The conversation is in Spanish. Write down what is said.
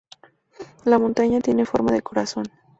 La montaña tiene forma de corazón.